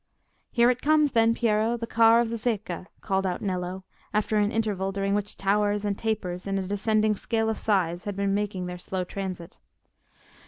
"Here it comes, then, Piero—the car of the Zecca," called out Nello, after an interval during which towers and tapers in a descending scale of size had been making their slow transit.